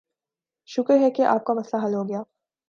شکر ہے کہ آپ کا مسئلہ حل ہوگیا۔